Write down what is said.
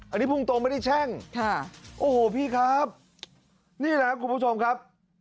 อันนี้พูดตรงไม่ได้แช่งค่ะโอ้โหพี่ครับนี่แหละครับคุณผู้ชมครับ